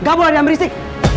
gak boleh ada yang berisik